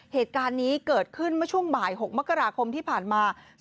เหตุการณ์นี้เกิดขึ้นเมื่อช่วงบ่าย๖มกราคมที่ผ่านมา